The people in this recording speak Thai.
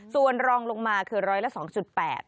ส่วนรองลงมาคือ๑๐๒๘